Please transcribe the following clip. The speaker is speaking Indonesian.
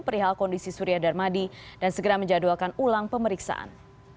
perihal kondisi surya darmadi dan segera menjadwalkan ulang pemeriksaan